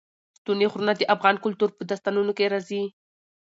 ستوني غرونه د افغان کلتور په داستانونو کې راځي.